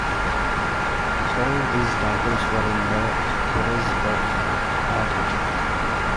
All these titles were in the Peerage of Ireland.